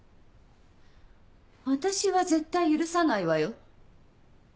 私は絶対許さないわよ。